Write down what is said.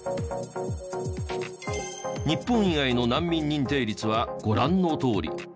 日本以外の難民認定率はご覧のとおり。